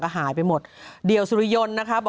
หายไปหมดเดี่ยวสุริยนต์นะคะ